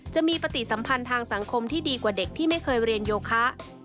จะมีปฏิสัมพันธ์ทางสังคมที่ดีกว่าเด็กที่ไม่เคยเรียนโยคะ